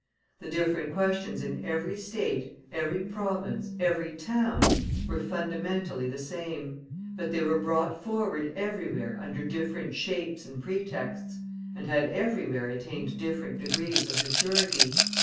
The different questions in every State, every province, every town, were fundamentally the same; but they were brought forward everywhere under different shapes and pretexts, and had everywhere attained different degrees of maturity.